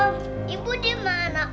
murti pasti gak akan tahan